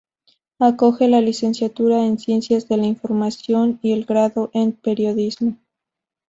Acoge la "Licenciatura en Ciencias de la Información" y el "Grado en Periodismo".